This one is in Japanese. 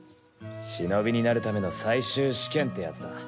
忍になるための最終試験ってやつだ。